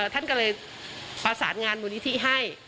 ท่านก็เลยประสานงานมูลนิธิให้